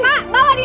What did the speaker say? pak bawa dia